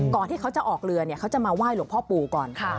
ที่เขาจะออกเรือเขาจะมาไหว้หลวงพ่อปู่ก่อน